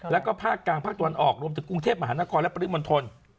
แล้วก็ภาคกลางภาคตะวันออกรวมถึงกรุงเทพมหานครและปริมณฑล